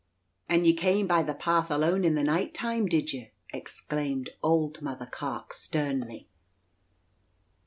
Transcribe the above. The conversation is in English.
"And ye came by the path alone in the night time, did ye?" exclaimed old Mall Carke sternly.